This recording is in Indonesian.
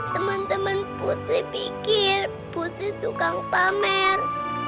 temen temen putri pikir putri tukang pamer